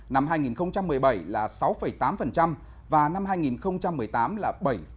năm hai nghìn một mươi bảy là sáu tám và năm hai nghìn một mươi tám là bảy tám